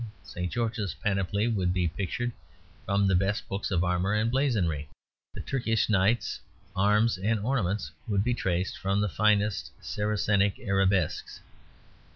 St. George's panoply would be pictured from the best books of armour and blazonry: the Turkish Knight's arms and ornaments would be traced from the finest Saracenic arabesques.